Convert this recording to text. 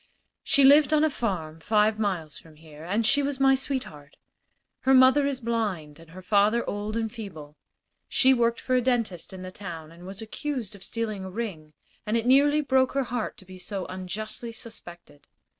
"She lived on a farm five miles from here, and she was my sweetheart. Her mother is blind and her father old and feeble. She worked for a dentist in the town and was accused of stealing a ring, and it nearly broke her heart to be so unjustly suspected.